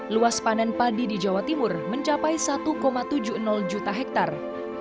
luas panen padi di jawa timur mencapai satu tujuh puluh juta hektare